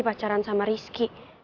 pacaran sama rizky